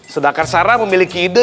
sedangkan sarah memiliki ide